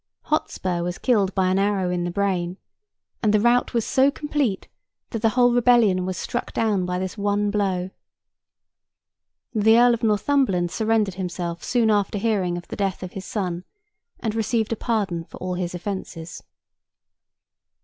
Hotspur was killed by an arrow in the brain, and the rout was so complete that the whole rebellion was struck down by this one blow. The Earl of Northumberland surrendered himself soon after hearing of the death of his son, and received a pardon for all his offences.